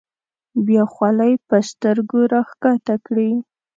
بیا خولۍ په سترګو راښکته کړي.